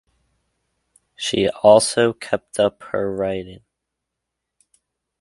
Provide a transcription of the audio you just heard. She also kept up her writing.